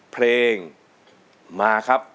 เพลงมาครับ